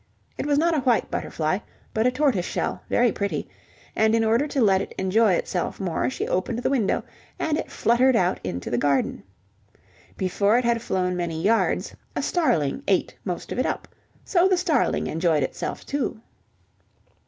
It was not a white butterfly, but a tortoise shell, very pretty, and in order to let it enjoy itself more, she opened the window and it fluttered out into the garden. Before it had flown many yards, a starling ate most of it up, so the starling enjoyed itself too.